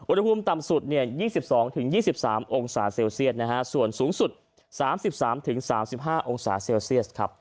อุณหภูมิต่ำสุด๒๒๒๓องศาเซลเซียตส่วนสูงสุด๓๓๕องศาเซลเซียสครับ